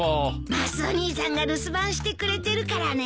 マスオ兄さんが留守番してくれてるからね。